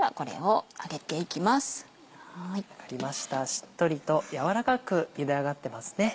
しっとりと軟らかくゆで上がってますね。